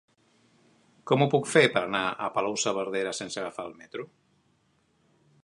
Com ho puc fer per anar a Palau-saverdera sense agafar el metro?